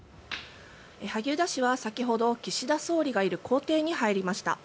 萩生田氏は先ほど岸田総理がいる公邸に入りました。